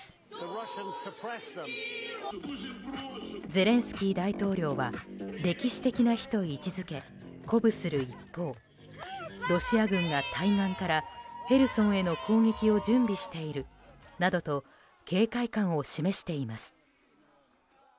ゼレンスキー大統領は歴史的な日と位置づけ鼓舞する一方ロシア軍が対岸からヘルソンへの攻撃を準備しているなどと警戒感を示しています。